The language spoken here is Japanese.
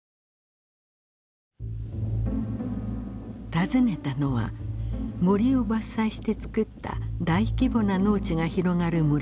訪ねたのは森を伐採して作った大規模な農地が広がる村でした。